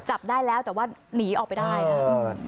จับได้แล้วแต่ว่าหนีออกไปได้ค่ะ